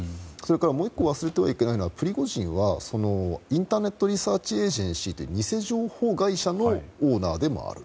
もう１個、忘れてはいけないのはプリゴジンはインターネットリサーチエージェンシーという偽情報会社のオーナーでもある。